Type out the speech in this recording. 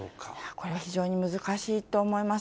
これは非常に難しいと思います。